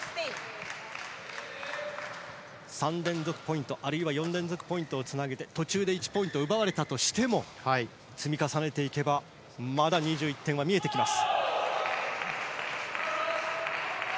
３連続ポイント、あるいは４連続ポイントをつなげて途中で１ポイント奪われたとしても積み重ねていけばまだ２１点は見えてきます。